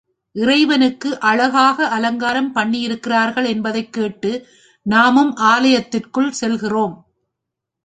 இறைவனுக்கு அழகாக அலங்காரம் பண்ணியிருக்கிறார்கள் என்பதைக் கேட்டு நாமும் ஆலயத்திற்குச் செல்கிறோம்.